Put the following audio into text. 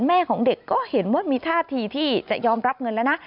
แม่ของเด็กก็เห็นว่ามีท่าทีที่จะยอมรับเงินแล้วนะ